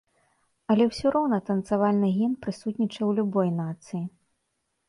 Але ўсё роўна танцавальны ген прысутнічае ў любой нацыі.